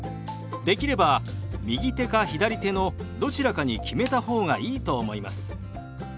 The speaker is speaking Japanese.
できれば右手か左手のどちらかに決めた方がいいと思います。